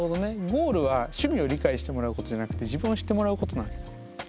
ゴールは趣味を理解してもらうことじゃなくて自分を知ってもらうことなわけだ。